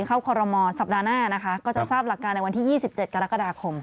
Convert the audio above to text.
คอรมอลสัปดาห์หน้านะคะก็จะทราบหลักการในวันที่๒๗กรกฎาคม